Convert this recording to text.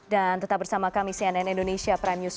dan tetap bersama kami cnn indonesia prime news